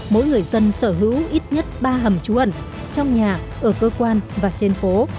mỗi người dân sở hữu ít nhất ba hầm trú ẩn trong nhà ở cơ quan và trên phố